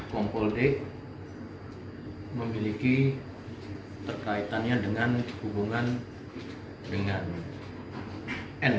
kompol d memiliki terkaitannya dengan hubungan dengan n